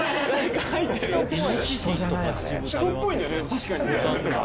確かに。